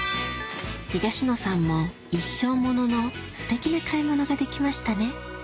東野さんも一生もののステキな買い物ができましたね